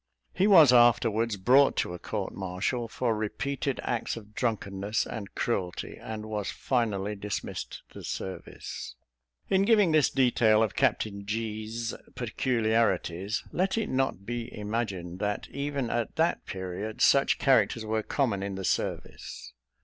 He was afterwards brought to a court martial, for repeated acts of drunkenness and cruelty, and was finally dismissed the service. In giving this detail of Captain G 's peculiarities, let it not be imagined, that even at that period such characters were common in the service.